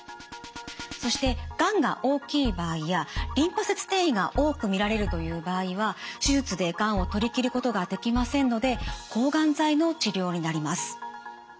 そしてがんが大きい場合やリンパ節転移が多く見られるという場合は手術でがんをとり切ることができませんので抗がん剤の治療になります。